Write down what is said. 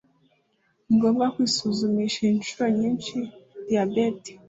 Ni ngombwa kwisuzumisha inshuro nyinshi diabete